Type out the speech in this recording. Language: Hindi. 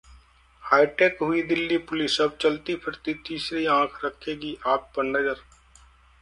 हाईटेक हुई दिल्ली पुलिस, अब चलती-फिरती 'तीसरी आंख' रखेगी आप पर नजर